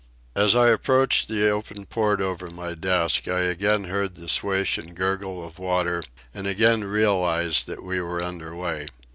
As I approached the open port over my desk I again heard the swish and gurgle of water and again realized that we were under way.